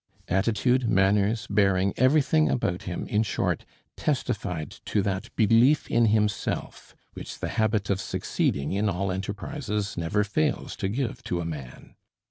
Attitude, manners, bearing, everything about him, in short, testified to that belief in himself which the habit of succeeding in all enterprises never fails to give to a man.